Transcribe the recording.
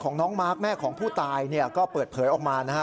น้องมาร์คแม่ของผู้ตายเนี่ยก็เปิดเผยออกมานะฮะ